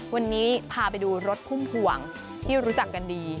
วันนี้พาไปดูรถพุ่มพวงที่รู้จักกันดี